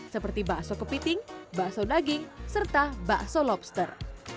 seperti bakso kepiting bakso daging serta bakso lobster